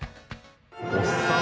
おっさん